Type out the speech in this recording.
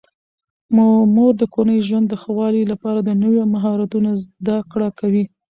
مور د کورني ژوند د ښه والي لپاره د نویو مهارتونو زده کړه کوي.